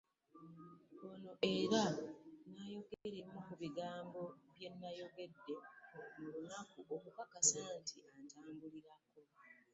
Ono era n'ayogera ebimu ku bigambo bye nayogedde mu lunaku okunkakasa nti atambulirako